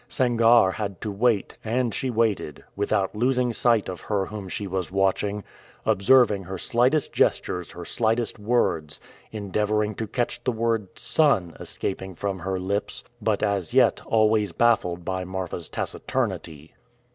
Sangarre had to wait, and she waited, without losing sight of her whom she was watching, observing her slightest gestures, her slightest words, endeavoring to catch the word "son" escaping from her lips, but as yet always baffled by Marfa's taciturnity.